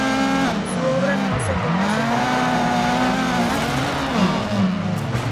Su obra no se conoce completamente.